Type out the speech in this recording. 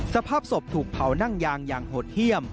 สภาพศพถูกเผานั่งยางอย่างโหดเยี่ยม